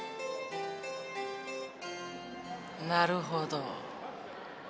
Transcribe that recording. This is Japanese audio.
なるほど。